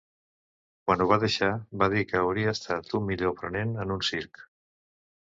Quan ho va deixar va dir que hauria estat un millor aprenent en un circ.